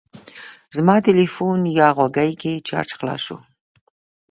زما تلیفون یا غوږۍ کې چارج خلاص شو.